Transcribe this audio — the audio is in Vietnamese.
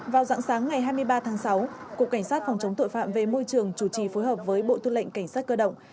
vào dạng sáng ngày hai mươi ba tháng sáu cục cảnh sát phòng chống tội phạm về môi trường chủ trì phối hợp với bộ tư lệnh cảnh sát cơ động